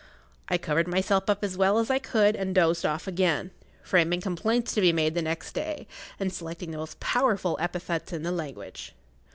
I covered myself up as well as I could and dozed off again, framing complaints to be made the next day, and selecting the most powerful epithets in the language.